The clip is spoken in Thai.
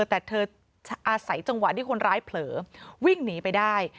แต่เธออาศัยจังหวะที่คนร้ายเผลอวิ่งหนีไปได้